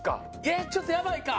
えっちょっとやばいか。